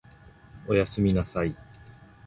お休みなさい